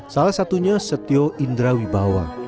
salah satunya setio indra wibawa